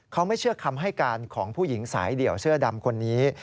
เขาไม่เชื่อคำให้การของผู้หญิงสายเดี่ยวเสื้อดำคนนี้